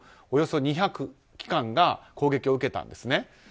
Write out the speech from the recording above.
およそ２００機関が攻撃を受けたんですね。